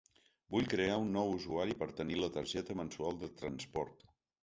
Vull crear un nou usuari per tenir la targeta mensual de transport.